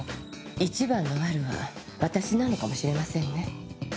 一番の悪は私なのかもしれませんね。